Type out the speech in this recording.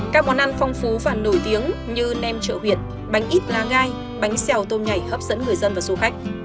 các món ăn phong phú và nổi tiếng như nem trợ huyện bánh ít lá gai bánh xèo tôm nhảy hấp dẫn người dân và du khách